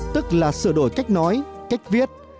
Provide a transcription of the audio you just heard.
tức là sửa đổi cách nói cách viết